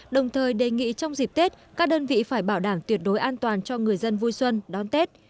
đồng thời đề nghị trong dịp tết các đơn vị phải bảo đảm tuyệt đối an toàn cho người dân vui xuân đón tết